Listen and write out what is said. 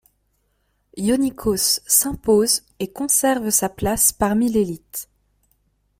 Ionikos s'impose et conserve sa place parmi l'élite.